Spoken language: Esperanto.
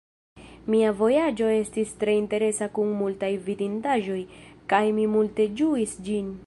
Mia vojaĝo estis tre interesa kun multaj vidindaĵoj, kaj mi multe ĝuis ĝin.